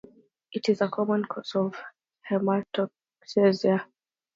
It is a common cause of hematochezia.